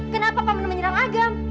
kenapa paman menyerang agam